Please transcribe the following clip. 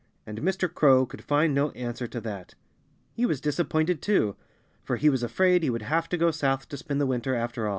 And Mr. Crow could find no answer to that. He was disappointed, too. For he was afraid he would have to go south to spend the winter, after all.